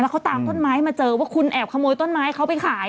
เขาตามต้นไม้มาเจอว่าคุณแอบขโมยต้นไม้เขาไปขาย